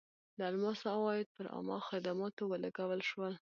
د الماسو عواید پر عامه خدماتو ولګول شول.